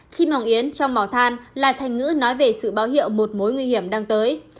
chim mỏng yến trong màu than là thành ngữ nói về sự báo hiệu một mối nguy hiểm đang tới